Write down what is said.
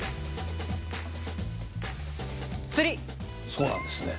そうなんですね。